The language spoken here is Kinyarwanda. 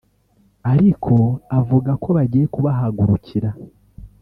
ariko avuga ko bagiye kubahagurukira